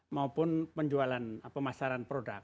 maupun penjualan pemasaran produk